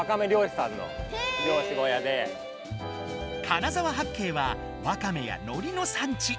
金沢八景はワカメやのりの産地。